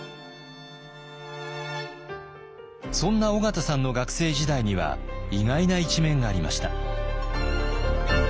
そんな緒方さんの学生時代には意外な一面がありました。